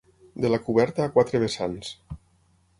De la coberta a quatre vessants.